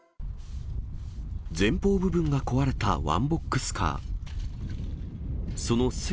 前方部分が壊れたワンボックスカー。